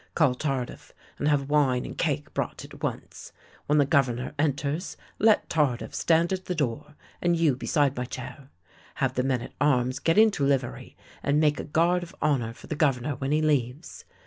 Call Tardif, and have wine and cake brought at once. When the Governor enters, let Tar dif stand at the door and you beside my chair. Have the men at arms get into livery and make a guard of honour for the Governor when he leaves.